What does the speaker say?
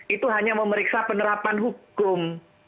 itu hanya memeriksa penerapan hukum